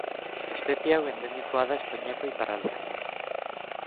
Espezie hau endemikoa da Espainiako iparraldean.